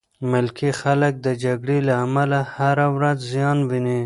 ملکي خلک د جګړې له امله هره ورځ زیان ویني.